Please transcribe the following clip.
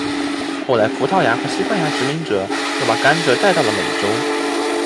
后来葡萄牙和西班牙殖民者又把甘蔗带到了美洲。